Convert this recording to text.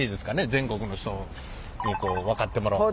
全国の人に分かってもらう。